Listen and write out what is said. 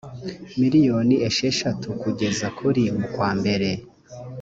miliyoni esheshatu kugeza kuri mukwambere